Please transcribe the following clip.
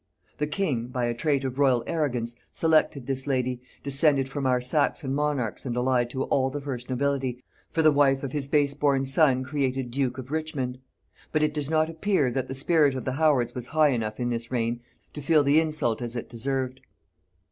The king, by a trait of royal arrogance, selected this lady, descended from our Saxon monarchs and allied to all the first nobility, for the wife of his base born son created duke of Richmond; but it does not appear that the spirit of the Howards was high enough in this reign to feel the insult as it deserved.